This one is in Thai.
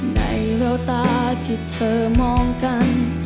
ในแววตาที่เธอมองกัน